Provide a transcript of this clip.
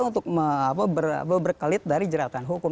untuk berkelit dari jeratan hukum